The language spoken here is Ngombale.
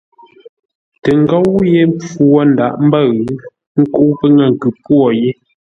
Tə ngóu yé mpfu wo ńdághʼ ḿbə̂ʉ, ə́ nkə́u pə́ ŋə̂ nkʉ-pwô yé.